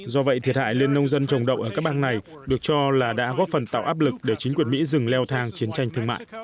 do vậy thiệt hại lên nông dân trồng đậu ở các bang này được cho là đã góp phần tạo áp lực để chính quyền mỹ dừng leo thang chiến tranh thương mại